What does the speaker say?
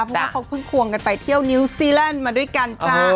เพราะว่าเขาเพิ่งควงกันไปเที่ยวนิวซีแลนด์มาด้วยกันจ้า